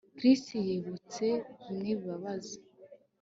Chris yibutse bimwe bibabaza